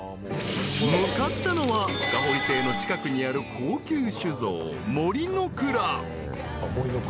［向かったのはふかほり邸の近くにある高級酒造杜の蔵］